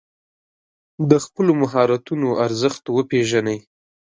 د خپلو مهارتونو ارزښت وپېژنئ.